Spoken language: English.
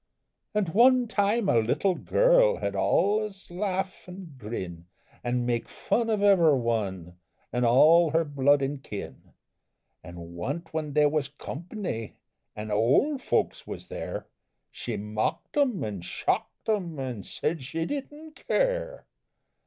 An' one time a little girl 'ud allus laugh and grin, An' make fun of ever'one, an' all her blood an' kin; An' onc't when they was company an' ole folks was there, She mocked 'em an' shocked 'em, an' said she didn't care!